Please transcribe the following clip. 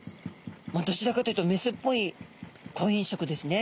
どちらかというとメスっぽい婚姻色ですね。